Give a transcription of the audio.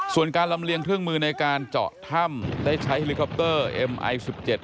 ส่วนการลำเลียงเครื่องมือในการเจาะถ้ำได้ใช้เอ็มไอสิบเจ็ด